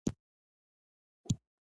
زه د برېښنا څخه بې ځایه استفاده نه کوم.